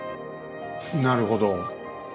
なるほど。